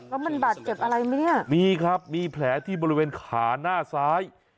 แล้วมันบาดเจ็บอะไรไหมเนี่ยมีครับมีแผลที่บริเวณขาหน้าซ้าย